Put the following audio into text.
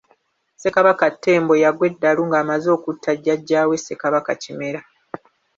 Ssekabaka Ttembo yagwa eddalu nga amaze okutta jjaja we Ssekabaka Kimera.